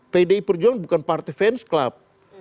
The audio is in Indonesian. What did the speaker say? pdi perjuangan bukan partai fans club